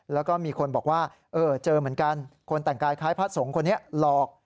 แล้วก็มีคนบอกว่าเจอเหมือนกันคนแต่งกายคล้ายพระสงฆ์คนนี้หลอก